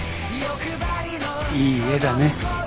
いい絵だね。